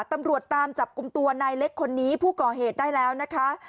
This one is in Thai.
ตำรวจตามจับกลุ่มตัวนายเล็กคนนี้ผู้ก่อเหตุได้แล้วนะคะ